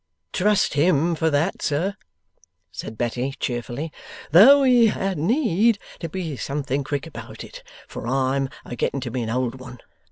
'Trust him for that, sir!' said Betty, cheerfully. 'Though he had need to be something quick about it, for I'm a getting to be an old one.